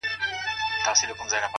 لوړ اخلاق اوږد اغېز پرېږدي